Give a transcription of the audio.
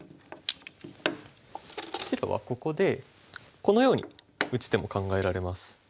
白はここでこのように打つ手も考えられます。